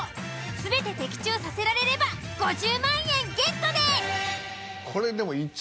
全て的中させられれば５０万円ゲットです。